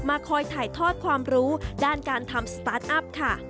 คอยถ่ายทอดความรู้ด้านการทำสตาร์ทอัพค่ะ